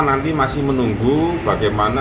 nanti masih menunggu bagaimana